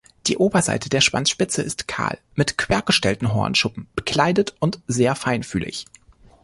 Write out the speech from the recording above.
Die Oberseite der Schwanzspitze ist kahl, mit quergestellten Hornschuppen bekleidet und sehr feinfühlig.